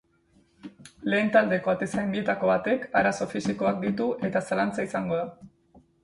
Lehen taldeko atezain bietako batek arazo fisikoak ditu eta zalantza izango da.